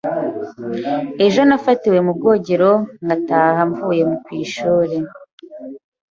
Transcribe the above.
Ejo nafatiwe mu bwogero ngataha mvuye ku ishuri.